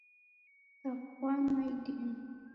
Kwafwanwa idime!